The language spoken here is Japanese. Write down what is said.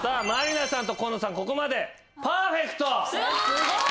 すごい！